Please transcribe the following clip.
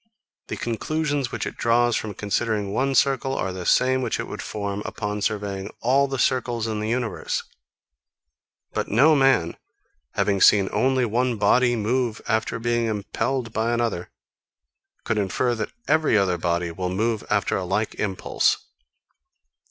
The conclusions which it draws from considering one circle are the same which it would form upon surveying all the circles in the universe. But no man, having seen only one body move after being impelled by another, could infer that every other body will move after a like impulse.